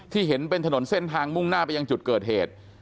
เห็นเป็นถนนเส้นทางมุ่งหน้าไปยังจุดเกิดเหตุ